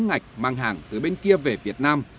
lạch mang hàng từ bên kia về việt nam